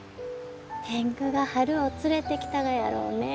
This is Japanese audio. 天狗が春を連れてきたがやろうね。